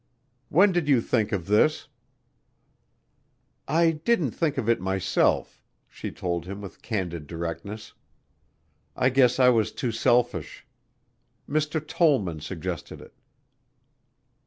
"When did you think of this?" "I didn't think of it myself," she told him with candid directness. "I guess I was too selfish. Mr. Tollman suggested it."